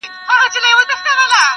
بوزه چي هم پرېوځي ځای په پښو پاکوي -